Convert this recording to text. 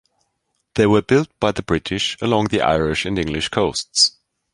They were built by the British, along the Irish and English coasts.